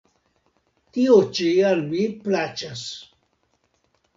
Tio ĉi al mi plaĉas!